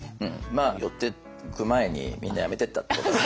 まあ寄ってく前にみんな辞めてったってことが。